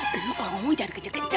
lu kok ngomong jangan kece kece